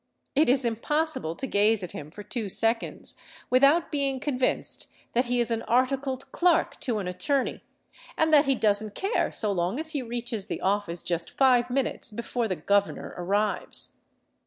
It is impossible to gaze at him for two seconds, without being convinced that he is an articled clerk to an attorney, and that he doesn't care so long as he reaches the office just five minutes before the "governor" arrives.